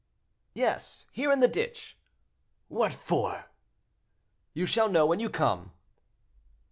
"Yes; here in the ditch." "What for?" "You shall know when you come."